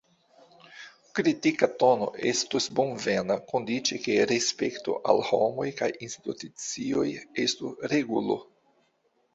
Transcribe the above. Kritika tono estos bonvena, kondiĉe ke respekto al homoj kaj institucioj estu regulo.